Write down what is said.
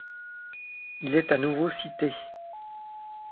Il est à nouveau cité.